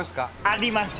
あります。